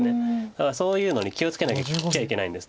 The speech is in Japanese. だからそういうのに気を付けなきゃいけないんです。